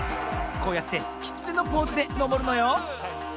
こうやってきつねのポーズでのぼるのよ。